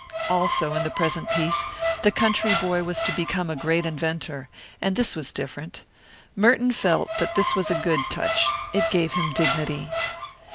Also, in the present piece, the country boy was to become a great inventor, and this was different. Merton felt that this was a good touch; it gave him dignity.